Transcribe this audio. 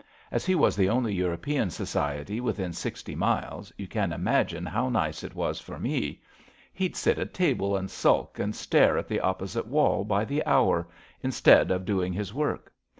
As he was the only European society within sixty miles, you can imagine how nice it was for me. He'd sit at table and sulk and stare at the opposite wall by the hour — ^instead of doing his work.